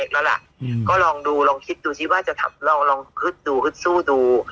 อืมก็ลองดูลองคิดดูคิดว่าจะทำลองลองฮึดดูฮึดสู้ดู